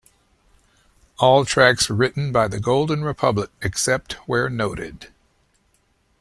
All tracks written by The Golden Republic, except where noted.